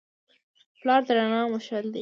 پلار د رڼا مشعل دی.